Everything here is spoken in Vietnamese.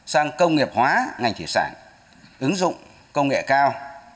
sang công nghiệp hóa ngành thủy sản ứng dụng công nghệ cao